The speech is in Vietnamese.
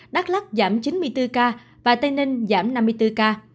đắk lắc giảm chín mươi bốn ca và tây ninh giảm năm mươi bốn ca